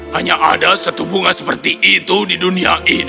hanya ada satu bunga seperti ini